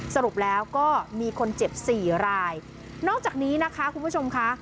สรุปแล้วก็มีคนเจ็บสี่รายนอกจากนี้นะคะคุณผู้ชมค่ะ